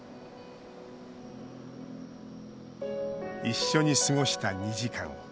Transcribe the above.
一緒に過ごした２時間。